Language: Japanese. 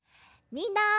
みんな！